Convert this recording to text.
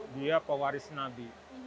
dia pewaris nabi